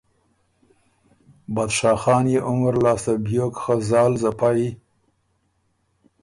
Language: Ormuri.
بادشاه خان يې عمر لاسته بیوک خه زال زپئ،